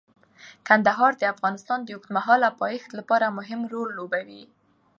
کندهار د افغانستان د اوږدمهاله پایښت لپاره مهم رول لوبوي.